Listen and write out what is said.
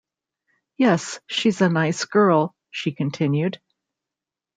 “Yes, she’s a nice girl,” she continued.